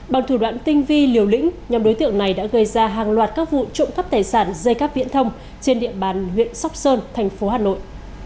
bằng thủ đoạn tinh vi liều lĩnh nhóm đối tượng này đã gây ra hàng loạt các vụ trộm cắp tài sản dây cắp viễn thông trên địa bàn huyện sóc sơn thành phố hà nội